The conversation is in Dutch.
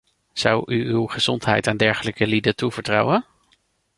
Zou u uw gezondheid aan dergelijke lieden toevertrouwen?